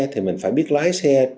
thì mình phải biết lái xe